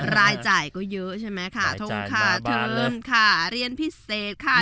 รายจ่ายก็เยอะใช่ไหมค่ะทงค่าเทิมค่ะเรียนพิเศษค่ะ